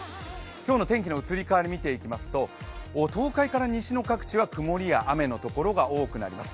今日の天気の移り変わりを見てきますと東海から西の地域は曇りや雨のところが多くなります。